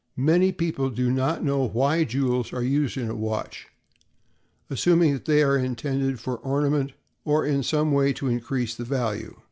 Many people do not know why jewels are used in a watch, assuming that they are intended for ornament or in some way to increase the value.